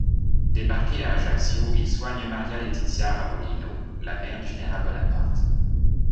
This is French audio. Débarqué à Ajaccio, il soigne Maria-Letizia Ramolino, la mère du Général Bonaparte.